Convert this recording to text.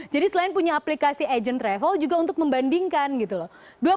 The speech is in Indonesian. jadi selain punya aplikasi agent travel juga untuk membandingkan gitu loh